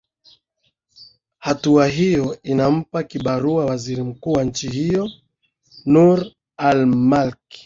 hatua hiyo inampa kibarua waziri mkuu wa nchi hiyo nur al malki